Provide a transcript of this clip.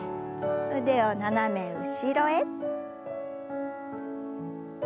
腕を斜め後ろへ。